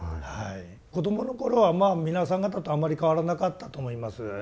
子供の頃はまあ皆さん方とあんまり変わらなかったと思います。